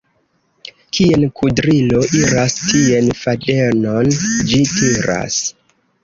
Kien kudrilo iras, tien fadenon ĝi tiras.